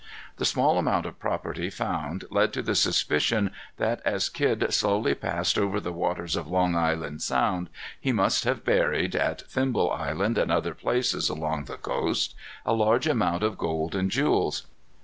The small amount of property found led to the suspicion, that as Kidd slowly passed over the waters of Long Island Sound, he must have buried, at Thimble Island and other places along the coast, a large amount of gold and jewels.